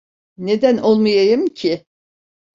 Neden olmayayım ki?